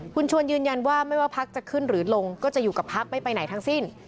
คุณชวนยืนยันว่าไม่ว่าพักจะขึ้นหรือลงก็จะอยู่กับพักไม่ไปไหนทั้งสิ้น